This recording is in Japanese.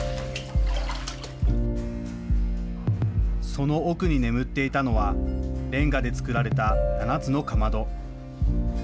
その奥に眠っていたのは、れんがで作られた７つのかまど。